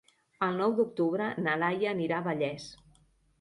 El nou d'octubre na Laia anirà a Vallés.